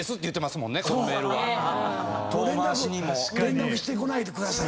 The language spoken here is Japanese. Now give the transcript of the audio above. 連絡してこないでください。